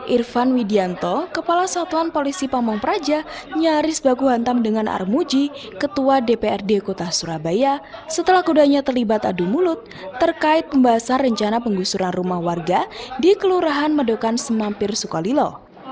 irfan widianto kepala satuan polisi pamung praja nyaris baku hantam dengan armuji ketua dprd kota surabaya setelah kudanya terlibat adu mulut terkait pembahasan rencana penggusuran rumah warga di kelurahan medokan semampir sukalilo